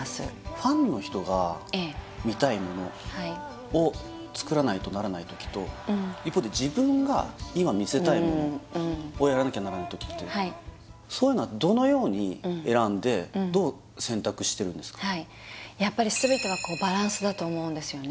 ファンの人が見たいものを作らないとならない時と一方で自分が今見せたいものをやらなきゃならない時ってそういうのはどのように選んでやっぱり全てはバランスだと思うんですよね